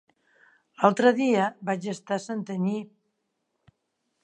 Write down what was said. L'altre dia vaig estar a Santanyí.